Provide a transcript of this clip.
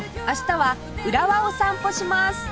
明日は浦和を散歩します